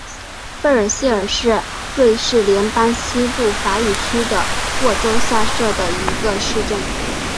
贝尔谢尔是瑞士联邦西部法语区的沃州下设的一个市镇。